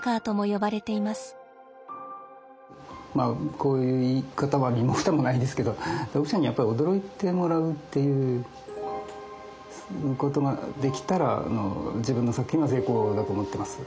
こういう言い方は身も蓋もないですけど読者にやっぱり驚いてもらうということができたら自分の作品は成功だと思ってます。